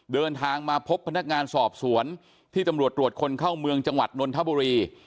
เดินทางมาพบพนักงานสอบสวนที่ตำรวจตรวจคนเข้าเมืองจังหวัดนนทบุรี